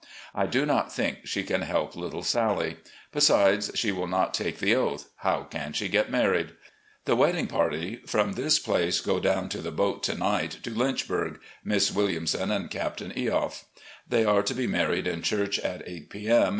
I do not think she can help little Sallie. Besides, she will not take the oath — ^how can she get married ? The wedding party from this place go down in the boat to night to Lynchburg — Miss Williamson and Captain Eoff. They are to be married in church at eight p. M.